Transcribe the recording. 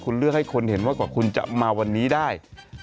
คุณเลือกให้คนเห็นว่ากว่าคุณจะมาวันนี้ได้